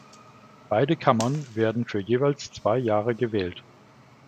Beide Kammern werden für jeweils zwei Jahre gewählt.